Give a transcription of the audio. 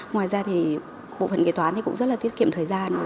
ngoài ra thì bộ phận kế toán thì cũng rất là tiết kiệm thời gian